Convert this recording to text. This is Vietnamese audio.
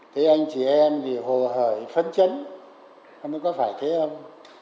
thế anh chị em vì hồ hởi phấn chấn không phải có phải thế không